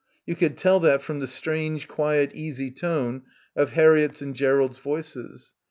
You could tell that from the strange quiet easy tone of Harriett's and Gerald's voices.